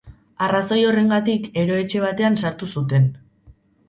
Arrazoi horrengatik, eroetxe batean sartu zuten.